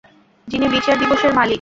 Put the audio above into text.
যিনি বিচার দিবসের মালিক।